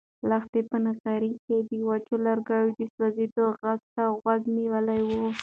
لښتې په نغري کې د وچو لرګیو د سوزېدو غږ ته غوږ نیولی و.